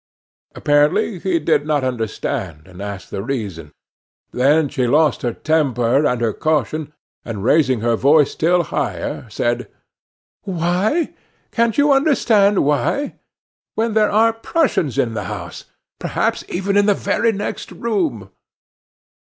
Apparently he did not understand, and asked the reason. Then she lost her temper and her caution, and, raising her voice still higher, said: "Why? Can't you understand why? When there are Prussians in the house! Perhaps even in the very next room!"